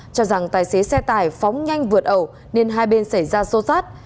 cho rằng tài xế xe tải phóng nhanh vượt ẩu nên hai bên xảy ra xô xát